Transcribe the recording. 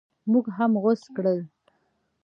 موږ هم غوڅ کړل.